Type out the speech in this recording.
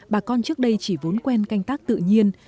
bà con trước đây chỉ vốn quen canh tác tự nhiên